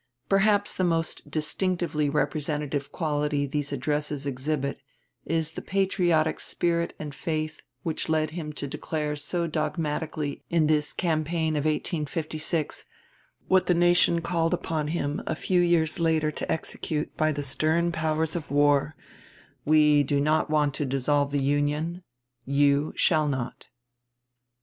Perhaps the most distinctively representative quality these addresses exhibit is the patriotic spirit and faith which led him to declare so dogmatically in this campaign of 1856, what the nation called upon him a few years later to execute by the stern powers of war, "We do not want to dissolve the Union; you shall not."